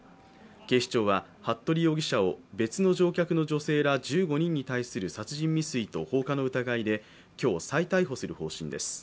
警視庁は服部容疑者を別の乗客の女性ら１５人に対する殺人未遂と放火の疑いで今日、再逮捕する方針です。